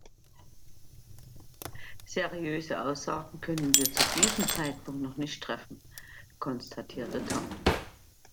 Seriöse Aussagen können wir zu diesem Zeitpunkt noch nicht treffen, konstatierte Tom.